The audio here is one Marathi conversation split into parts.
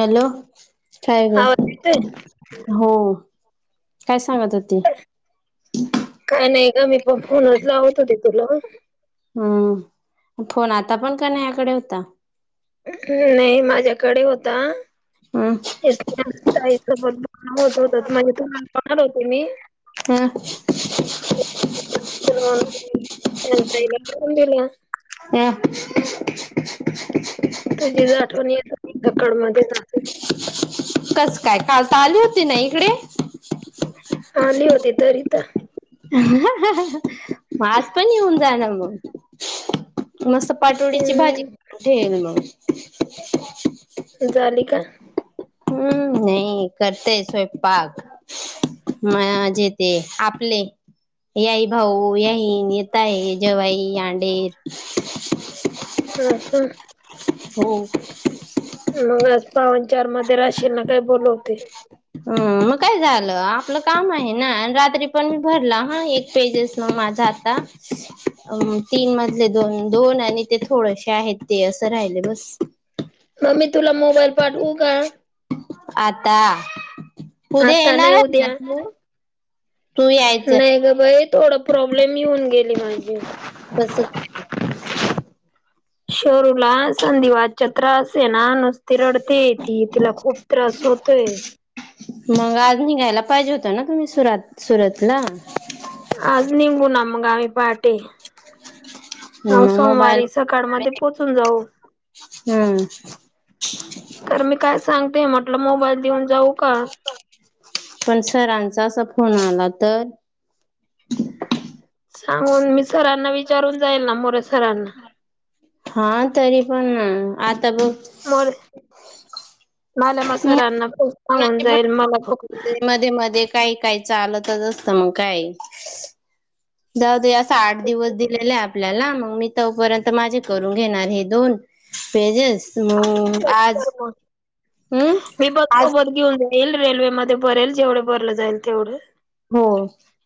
हॅलो काय ग आवाज येतोय? हो काय स काय नाही का मी पण फोनतला आहत होते तुला हम्म फोन आता पण का नाही याकडे होता ् नाही माझ्याकडे होता हम्म ईसत होत म्हणजे तु्हाला पणार होते मी ला ह तुझी आठवणी आहे कड मच कस काय कालता आली होती ना इकडे हली होती तरीता माज प हो जा ना मग मस्त पाटोळीची भाजी हम्म ठेल मग झाले का हम्म नाही करतय स्वयंपाक मजे तेे आपल्या पुले याई भाऊ याईन येत आहे जवई अंडेर हम हम हो मग आज पावन चार मध्ये राशील ना काही बोलवते ह मग काय झालं आपलं काम आहे ना रात्री पण मी भरला हा एक पेजेस मा जाता तीन मधले दोन दोन आणि ते थोडसे आहेत ते असं राहिल बस आ मी तुला मोबाईल पाठवू का ह आता नाही उद्या तू यायचं नाही ग बाई थोडा प्रॉब्लेम येऊन गे माज कसं काय चरूला संधीवाच्या त्रास ये ना नुसती रडते ती तिला खूप त्रास होतोय ते मग आज निघायला पाहिजे होत ना तुम्ही सुरात सुरतला आज निमू ना मगाम्ही पहाटे ह मग मोबाईल सोमवारी सकाळ मध्ये पोहोचून जाऊ हम्म तर मी काय सांगते. म्हटलं, मोबाईल देऊन जाऊ का? पण, सरांचा असा फोन आला तर? सांगून, मी, सरांना विचारून जाईल, ना, मोर, हा, तरी, पण, आ, तब... मोरे त मालमा सरांना खूप सांगून पण, जाईल मला मध्ये, मध्ये, काही, काही, चालत, असत, मग, काय, जाऊ, दे, असा आठ दिवस दिलेला आहे. आपल्याला, मग, मी तोपर्यंत, माझे करून घेणार हे, दोन, पेजेस, मग, खूप आज, हम्म मी, बघ आज सोबत घेऊन जाईल. रेल्वेमध्येध्ये, भरेल, जेवढे भरलं जाईल, तेवढे, हो,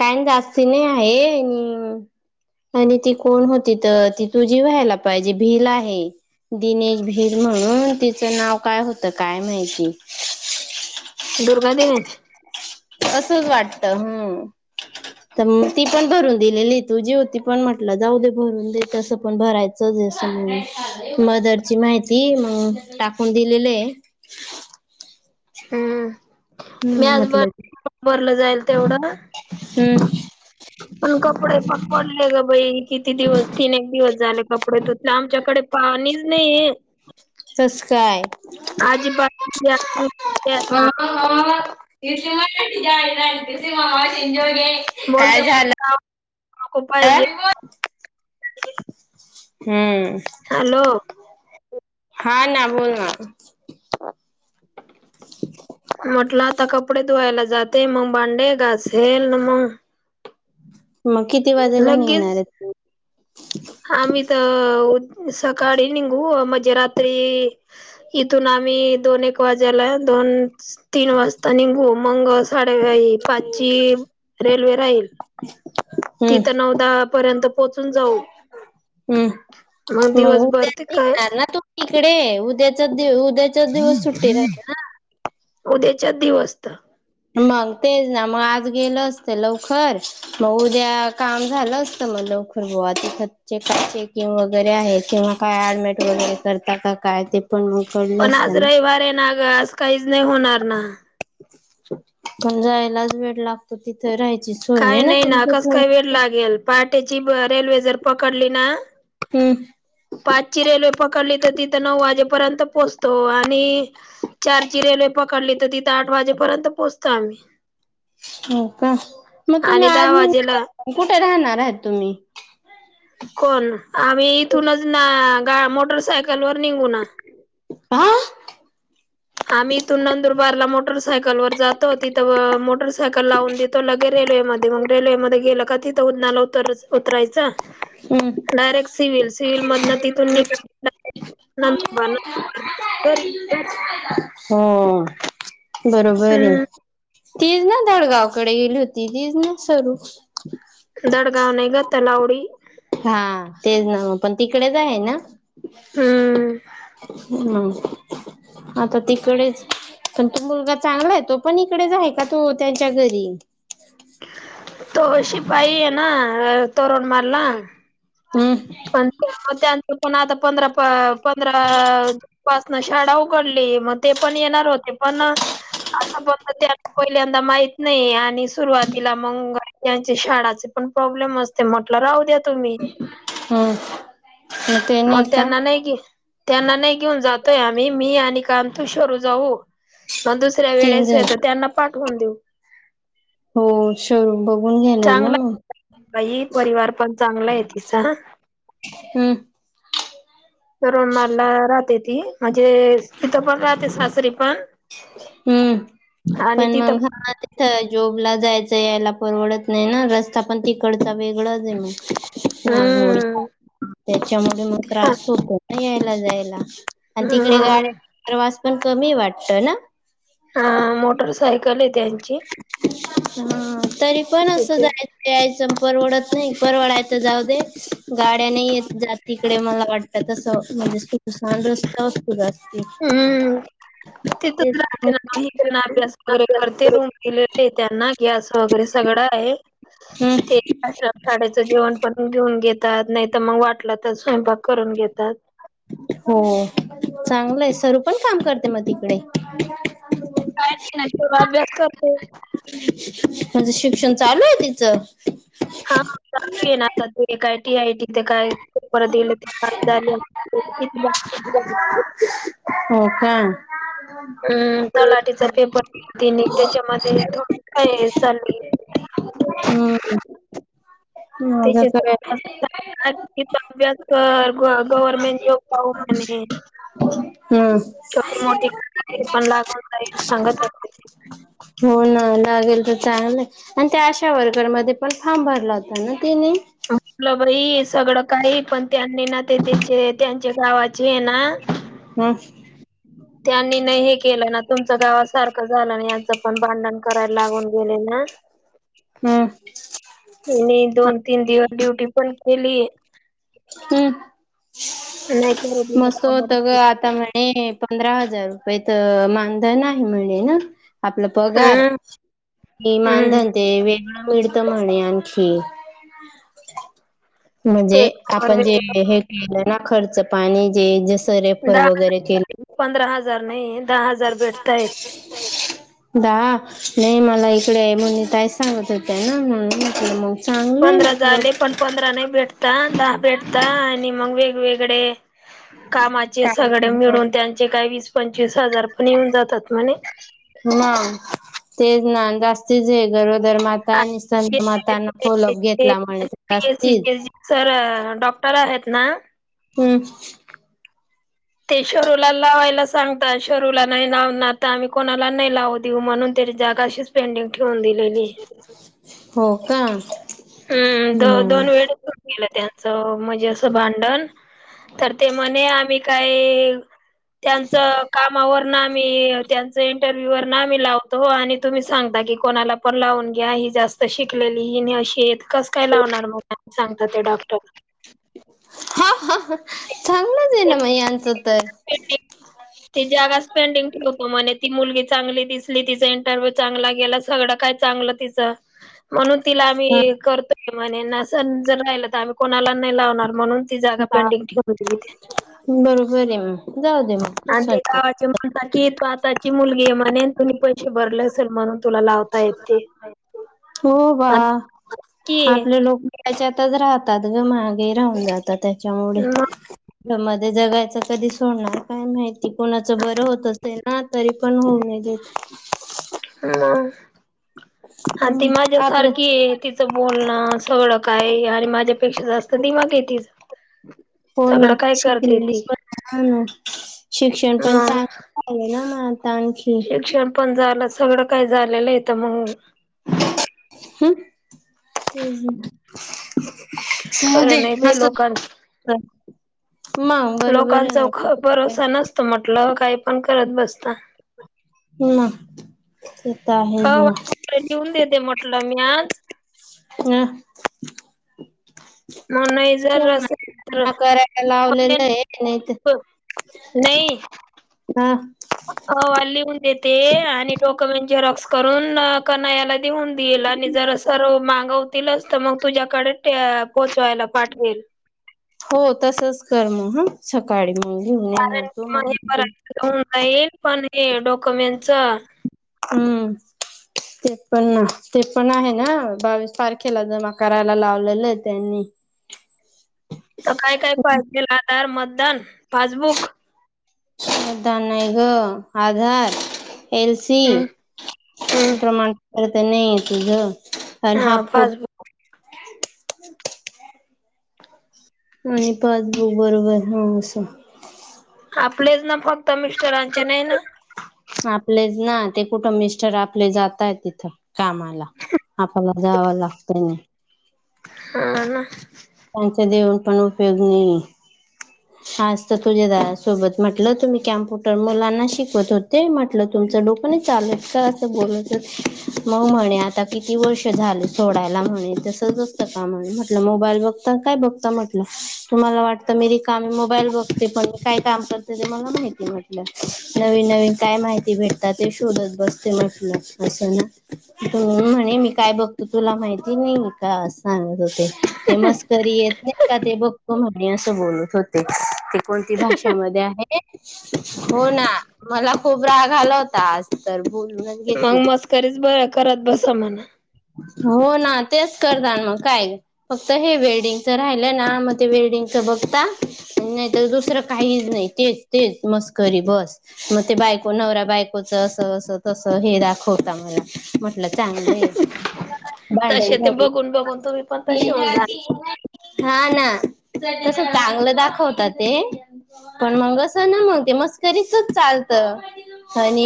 काय जास्ती, नाही आहे. आणि आणि ती कोण होती. तर ती तुझी व्हायला पाहिजे. भिल आहे. दिनेश, भीर म्हणून, तिचं नाव काय होतं, काय माहिती, दुर्गा दिनेच. असंच, वाटत हम्म. तर मग ती पण भरून दिलेली तुझी होती. पण म्हटलं जाऊ दे भरून देेतसं पण भरायचंचस, मदरची, माहिती, मग टाकून दिलेले आहे. हम्म, मी हम्म आज म्हटलं की बरबरला जाईल तेवढं ना. हम्म पण, कपडे पकडले ग बाई, किती, दिवस तीन एक दिवस झाले. कपडे तर आमच्याकडे पाणीच नाहीय. सच काय आजी बा त मय मला एंजॉय बोलतकू पाहिजे. हम्म हचालो.. हा, ना, बोल, ना, म्हटलं आता कपडे धुवायला जाते, मग, भांडे, गाासेल, मग, मग, किती वाजेला निघणार आहे लगेच त? आम्ही, त, सकाळी निंगू, ह म ध्य रात्री इथून, आम्ही दोन, एक वाज्याला दोन, तीन वाजता निगू भ मंग साडेई पाचची रेल्वे राहील. हम्म तिथ नऊदा पर्यंत पोहोचून जाऊ मग दिवसभर ते काय णार ना तू तिकडे उद्याचा दि उद्याच्या दिवस सुट्टी रा ना. उद्याच्याच दिवस तर मगते मग आज गेलं असत लवकर मग उद्या काम झालं असत मग लवकर बुवा. कच्चे कचे किं वगैरे आहे. किंवा काय अऍडमेट वगैरे करताात का? काय? ते. पण मग कळलं पण आज असतं ना रविवार आहे ना ग आज काहीच नाही होणार ना. पण, जायलाच वेळ लागतो. तिथे राहायच, काय नाही ना कस काय वेळ लागेल. पहाटेची रेल्वे जर पकडली ना तहम पाचची रेल्वे पकडली तर तिथं नऊ वाजेपर्यंत पोहोचतो आणि चारची रेल् पकडली तर तिथ आठ वाजेपयंतोचतो आम्ही. हो, का मग तुम्ही आणि आज दहा वाजेला कुठे राहणारह तुम्ही? हम् हम् कोण? आम्ही इथूनच ना मोटरसायकल कलवर निघ ना. [unintelligible] आम्ही इथून नंदुरबारला मोटरसायकल वर जातो, तिथं मोटरसायकल लावून देतो लगेर [unintelligible] रेल्वेमध्ये मग रेल्वेमध्ये गेलं का तिथं उन्हाला उतर उतरायचं. हम्म डायरेक्ट सिव्हिल सिव्हिल मधून तिथून निघाय [unintelligible] बनतरी [inaudible] हो बरोबर आहे. हम्म तीच ना दडगावकडे गेली होती तीच ना सरू? दडगाव नाही ग तलावडी. हा तेच ना पण तिकडेच आहे ना. हम्म हम् आता तिकडेच पण तो मुलगा चांगला आहे तो पण इकडेच आहे का तो त्यांच्या घरी तो शिपाई आहे ये ना तोरन माळला हम्म पण त्यांच पण आता पंधरा पंधरा [unintelligible] शाळा उघडली मग ते पण येणार होते पण आता बोलता. पहिल्यांदा माहित नाही आणि सुरुवातीला मग त्यांचे शाळाचे पण प्रॉब्लेम असते मग म्हटलं राहू द्या तुम्ही. हम् ते नाही मग का? त्यांना नाही घे त्यांना नाही घेऊन जातोय, आम्ही मी आणि कांता शरू जाऊ. मग दुसऱ्या तीन वेळेस जण तर त्यांना पाठवून देऊ. हो शरू बघून घे चांगला [unintelligible] बाई परिवार पण चांगला आहे तिचा. हम्म तोरणमाळला राहते ती म्हणजे तिथं पण राहते सासरी पण, हम्म आणि पण तिथं मग हा तिथ जॉबला जायचं यायला परवडत नाही ना रस्ता पण तिकडचा वेगळाच आहे मग नागमोडी हम्म त्याच्यामध्ये मग हा त्रास होतो ना यायला जायला. आणि तिकडे म गाड्यांचा प्रवास पण कमी वाटत ना. हा मोटर सायकल येत ह तरी पण असं त्याच्या जायचं यायचं परवडत परवडायचं जाऊ दे गाड्या नाही येत जात तिकडे मला वाट त्या तसं [inaudible] हम्म तिथच तेच राहते ना अभ्यास वगैरे करते र [unintelligible] दिलेले आहे त्यांना गॅस वगैरे सगळं आहे. हम्म. ते शाळेचं जेवण बनवून घेऊन घेतात नाही तर मग वाटलं तर स्वयंपाक करून घेतात. हो चांगलंय सरू पण काम करते मग तिकडे. काय नाही ना ते अभ्यास करते. म्हणजे शिक्षण चालू आहे तिचं? हा चालू आहे ना काय टी आय टी ते काय परत गेली ते झाले किती हो का हम तलाठीचा पेपर त्याच्यामध्ये थोड का चालू आहे हो [inaudible] हम्म माझं काय त्याच्यािती [inaudible] तर गव्हर्मेंट जॉब पाहू म्हणे छोटी मोठी हम कामाची पण लागवून संगत असते ती हो ना लागेल तर चांगल आणि त्या अशा वर्करमध्ये पण फार्म भरला होता ना? तिनी म्हटलं बाई सगळं काही पण त्यांनी ना ते त्याचे त्यांचे गावाचे आहे ना ह त्यांनी नाही हे केलं ना तुमच गावासारखं झालं नाही याच पण भांडण करायला लागून गेले ना? ह हं नाही. दोन, तीन दिवस ड्युटी पण केली. हम्म नाही करू दिलं मस्त होत गं. कामाला. आता म्हणे पंधरा हजार रुपये तर मानधन नाही म्हणे ना आपला पगार.... हम्म हम्म. मानधन तेे वे मिळत म्हणे आणखी म्हणजे पेशवर आपण जे वेगळं हे केलं ना खर्च पाणी जे सरेफर वगैरे केले. तर नाही दहा हजार दहा भेटतायत. हजार [inaudible] दहा नाही मला इकडे मुुन्नी ताई सांगत होतेय ना म्हणून इकडे मग चांगलंय पंधरा म्हटलं झाले. पण पंधरा नाही भेटता दहा भेटता आणि मग वेगवेगळे कामाचे काय सगळे मिळून त्यांचे काही वीस, पंचवीस हजार पण येऊन जातात म्हणे. ना.... तेच ना जास्तच आहे. गरज सुंदरमाता आणि संतमाताना कोलप घेतला म्ह पीएससी असतील चे सर डॉक्टर आहेत ना [inaudible] ते शरूला लावायला सांगता. शरूला नाही लाव ना आता आम्ही कोणाला नाही लावू देऊ म्हणून ते जागा अशीच पेंडिंग ठेवून दिलेली. हो का? हं द हम्म दोन वेळ होऊन गेलं अस त्यांचं म्हणजे असं भांडण तर ते म्हणे आम्ही काही.... त्यांच कामावर आम्ही त्यांच इंटरव्ह्यू वरन लावतो आणि तुम्ही सांगता की कोणाला पण लावून घ्या. जास्त शिकलेली ही अशी कस काय लावणार मग नाही सांगतात ते डॉक्टर हा हा चांगलंच आहे ना मग यांच तर. ते जागा स्पेंडिंग ठेवतो म्हणे. ती मुलगी चांगली दिसली तिचा इंटरव्ह्यू चांगला गेला सगळं काय चागलं तिचं. म्हणून तिला ह आम्ही करतोय म्हणे न जर राहिलं तर आम्ही कोणाला नाही लावणार. म्हणून ती जागा पेंटिंग ठेवून दिलीत. बरोबर आहे मग जाऊ दे मग आणि तस ते वाटते गावाचे म्हणतात की तू आताची मुलगी आहे म्हणे तुम्ही पैसे भरले असेल म्हणून. तुला लावता येते हो वा की आपले लोक त्याच्यातच राहतात ग महागे राहून जातात त्याच्यामुळे. मग मध्ये जगायच कधी सोडणार काय माहिती कोणाचं बरं होत असेल. हा तरी पण होऊ नाही देत. हा. हम् [inaudible] [unintelligible] ह ती माझ्या सारखी आहे तिचं बोलणं सगळं काय आणि माझ्यापेक्षा जास्त ती. के तिच हो ना सगळं काय करते शिकलेली पण आहे. हा ना शिक्षण पण मग चांगल झाले ना म आता आणखी. शिक्षण पण झालं सगळं काही झालेलं आहे तर मग. हम [inaudible] [unintelligible] ते राहुदे खरं नाही बाई असच लोकांच असत. लोकांचा भरोसा नसतो म्हटलं काही पण करत बसत. हं ते. तर हो आहेच ना वाटल लिवून देते मटलं मी आज अ, सोमवारी जमा करायला लावलेलं आहे नाही तर [unintelligible] नाई. हा अहवाल लिवून देते आणि डॉक्युमेंट जे झेरॉक्स करून कना याला नेऊन देईल आणि जर सर्व माग होतीलच तर मग तुझ्याकडे पोहोचवायला पाठवेल. हो तसच कर मग ह सकाळी. मग घेऊन येणार कारण तू म मग हे बय ऑन लाईन पण हे डॉक्युमेंटच. हम्म. ते पण ना ते पण आहे ना बावीस तारखेला जमा करायला लावलेले आहे त्यांनी. [unintelligible] तर काय काय पाहिजेल आधार, मतदान, पासबुक, मतदान नाही ग आधार. एल, सी, हम्म हम्म प्रमाणपत्र तर नाही तुझ. हा पासबुक. आणि पासबुक बरोबर ह असं. आपलेच ना फक्त मिश्टरांचे नाहीना. आपलेच ना ते कुठ मिस्टर आपले जातायत तिथे कामाला. आपल्याला जावा लागतंय ना. हा ना. [unintelligible] हा असत तुझ्या जावे सोबत म्हटलं तुम्ही कॅम्प्युटर मुलांना शिकवत होते म्हटलं तुम ते टोक नाही चाल का अस बोलते मग म्हणे आता किती वर्ष झाले सोडायला. तसच असतका म्हटल मोबाईल बघता अण काय बघता म्हट तुम्हाला वाटत मी मोबाईल बघते पण म काय काम करते ते मला माहिती म्हटल नवीन नवीन काय माहिती भे ते शोधत बसते अस ना म्हणे मी काय बघतो तुला माहिती. माहिती नाही काय असे म्हणत होते. ते मस्करी येत नाइ का ते बघत म्हणे असं बोलत होते. कोणती भाषामध्ये आहे हो ना. मला खूप राग आला होता आज तर बोलूनच मग घेतलं. मस्करीच बर करत बसा म्हणा. हो ना तेच करतात, मग काय फक्त हे वेल्डिंगच राहिलं ना मग ते वेल्डिंग टबकता. नाइ तर दुसरं काहीच नाही तेच तेच मस्करी बस मग ते बायको नवरा बाय बायकोच अस अस तस हे दाखवता मला म्हटलं चांगलंय भांडण तसे ते झाली. बघून बघून तुम्ही पण तसे होऊन जा [inaudible] हा ना तस चांगल दाखवता ते पण म अस मस्करीच चालत आणि